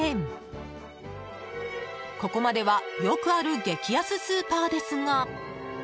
ここまではよくある激安スーパーですが。